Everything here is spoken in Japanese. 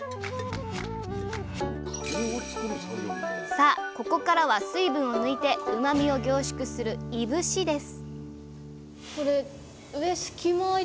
さあここからは水分を抜いてうまみを凝縮する「いぶし」です